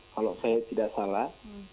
kalau saya tidak salah